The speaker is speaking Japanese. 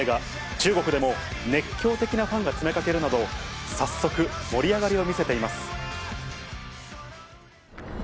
中国でも熱狂的なファンが詰めかけるなど、早速盛り上がりを見せています。